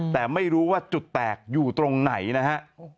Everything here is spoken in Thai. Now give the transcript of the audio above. แต่ไม่รู้ว่าจุดแตกอยู่ตรงไหนนะฮะ